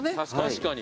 確かに。